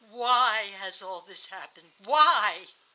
"'Why has all this happened? Why?